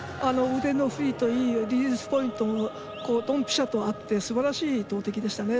腕の振りといいリリースポイントもドンピシャと合ってすばらしい投てきでしたね。